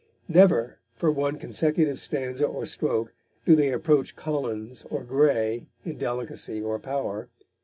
Never, for one consecutive stanza or stroke, do they approach Collins or Gray in delicacy or power.